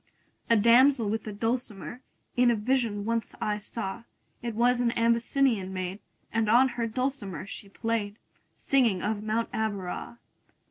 A damsel with a dulcimer In a vision once I saw: It was an Abyssinian maid, And on her dulcimer she play'd, 40 Singing of Mount Abora.